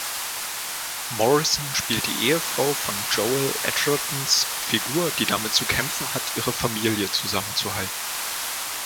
Morrison spielt die Ehefrau von Joel Edgertons Figur, die damit zu kämpfen hat, ihre Familie zusammenzuhalten.